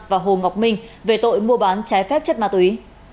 và hồ ngọc minh về tội mua bán trái phép chất ma túy